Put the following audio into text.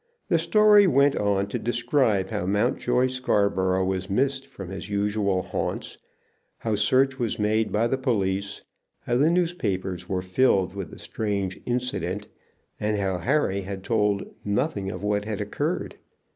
The letter went on to describe how Mountjoy Scarborough was missed from his usual haunts, how search was made by the police, how the newspapers were filled with the strange incident, and how Harry had told nothing of what had occurred.